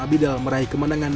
tim asuhan dukun